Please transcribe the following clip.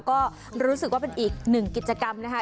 ก็รู้สึกว่าเป็นอีกหนึ่งกิจกรรมนะคะ